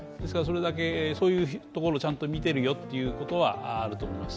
そういうところをちゃんと見てるというところはあると思います。